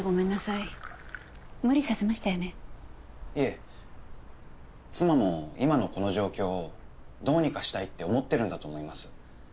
いえ妻も今のこの状況をどうにかしたいって思ってるんだと思います。